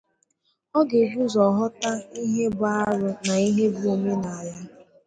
ọ ga-ebu ụzọ ghọta ihe bụ arụ na ihe bụ omenala